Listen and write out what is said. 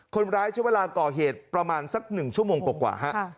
คนร้ายใช้เวลาก่อเหตุประมาณสัก๑ชั่วโมงกว่าฮะ